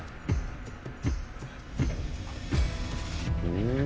うん！